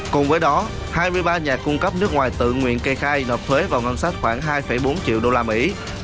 cùng với đó hai mươi ba nhà cung cấp nước ngoài tự nguyện kê khai nộp thuế vào ngân sách khoảng hai bốn triệu đô la mỹ